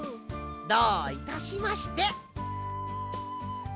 どういたしまして。